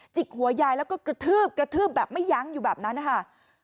กหัวยายแล้วก็กระทืบกระทืบแบบไม่ยั้งอยู่แบบนั้นนะคะ